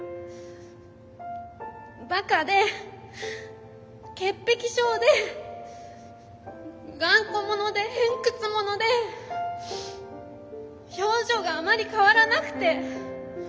バカで潔癖症で頑固者で偏屈者で表情があまり変わらなくて。